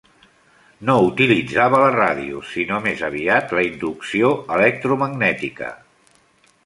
No utilitzava la ràdio, sinó més aviat la inducció electromagnètica.